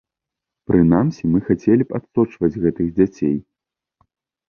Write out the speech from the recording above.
Прынамсі, мы хацелі б адсочваць гэтых дзяцей.